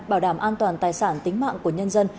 bảo đảm an toàn tài sản tính mạng của nhân dân